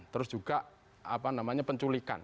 terus juga apa namanya penculikan